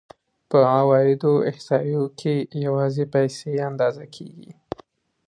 په عوایدو احصایو کې یوازې پیسې اندازه کېږي